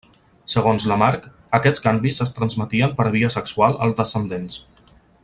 Segons Lamarck aquests canvis es transmetien per via sexual als descendents.